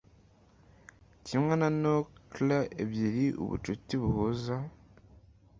kimwe na nochers ebyiri ubucuti buhuza